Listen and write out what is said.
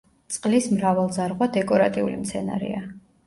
წყლის მრავალძარღვა დეკორატიული მცენარეა.